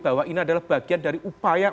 bahwa ini adalah bagian dari upaya